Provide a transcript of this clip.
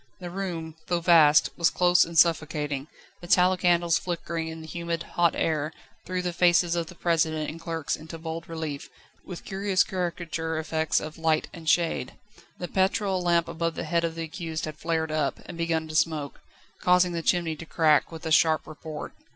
The room, though vast, was close and suffocating, the tallow candles flickering in the humid, hot air threw the faces of the President and clerks into bold relief, with curious caricature effects of light and shade. The petrol lamp above the head of the accused had flared up, and begun to smoke, causing the chimney to crack with a sharp report.